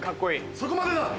そこまでだ！